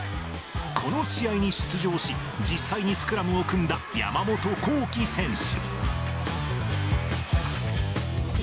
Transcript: この試合に出場し、実際にスクラムを組んだ山本幸輝選手。